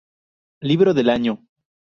Libro del año.